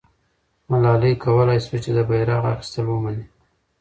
ملالۍ کولای سوای چې د بیرغ اخیستل ومني.